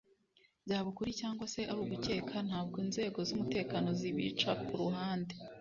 byaba ukuri cyangwa se ari ugukeka ntabwo inzego z’ umutekano zibica ku ruhande